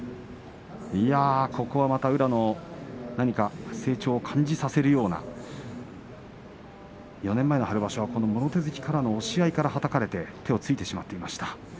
ここはまた宇良の成長を感じさせるような４年前の春場所はこのもろ手突きから押し合いからはたかれて手をついてしまっていました。